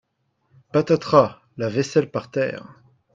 Patatras ! La vaisselle par terre !